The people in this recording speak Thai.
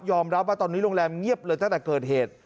รับว่าตอนนี้โรงแรมเงียบเลยตั้งแต่เกิดเหตุ